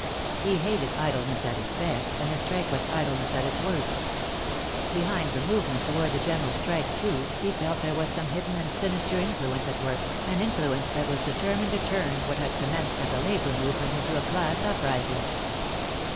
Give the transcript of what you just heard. He hated idleness at its best, and the strike was idleness at its worst. Behind the movement toward the general strike, too, he felt there was some hidden and sinister influence at work, an influence that was determined to turn what had commenced as a labor movement into a class uprising.